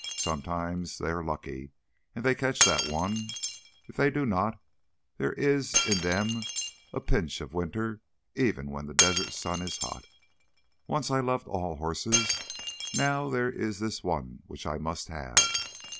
Sometimes they are lucky and they catch that one. If they do not, there is in them a pinch of winter even when the desert sun is hot. Once I loved all horses—now there is this one which I must have!"